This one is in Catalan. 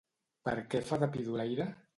Per què fa de pidolaire?